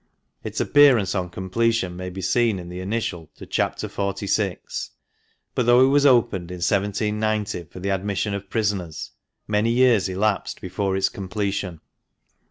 Its appearance on completion may be seen in the initial to Chapter XLVI. But though it was opened in 1790 for the admission of prisoners, many years elapsed before its completion.